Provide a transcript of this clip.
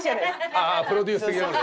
ああプロデュース的な事？